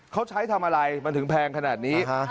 เขาใช้ทำอะไรมันถึงแพงขนาดนี้